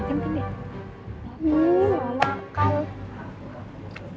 ini mau makan